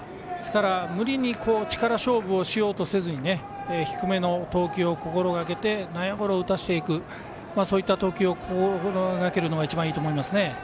無理に力勝負をしようとせずに低めの投球を心がけて内野ゴロを打たせていくそういった投球を心がけるのが一番いいと思います。